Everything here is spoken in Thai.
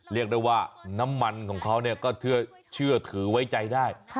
เรียกได้ว่าน้ำมันของเขาก็เชื่อถือไว้ใจได้